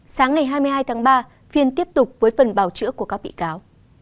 sáng ngày hai mươi hai tháng ba phiên tiếp tục với phần bào chữa của các bị cáo